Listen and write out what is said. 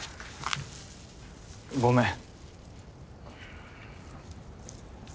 ごめん。